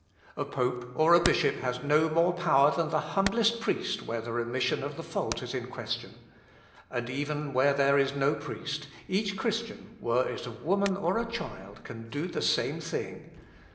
"A pope or a bishop has no more power than the humblest priest where the remission of the fault is in question. And even where there is no priest, each Christian, were it a woman or a child, can do the same thing.